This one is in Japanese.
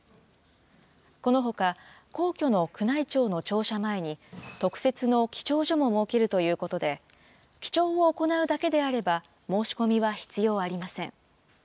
このほか、皇居の宮内庁の庁舎前に、特設の記帳所も設けるということで、記帳を行うだけであれば申し込みは必要ありません。